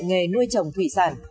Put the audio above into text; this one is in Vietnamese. nghề nuôi trồng thủy sản